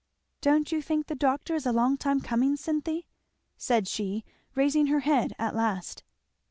"Don't you think the doctor is a long time coming, Cynthy?" said she raising her head at last.